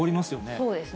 そうですね。